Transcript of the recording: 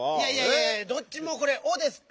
いやいやどっちもこれ「お」ですって！